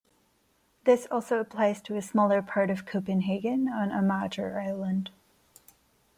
This also applies to a smaller part of Copenhagen on Amager island.